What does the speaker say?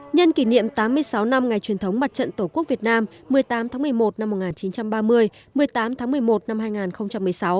nhân kỷ niệm tám mươi sáu năm ngày truyền thống mặt trận tổ quốc việt nam một mươi tám tháng một mươi một năm một nghìn chín trăm ba mươi một mươi tám tháng một mươi một năm hai nghìn một mươi sáu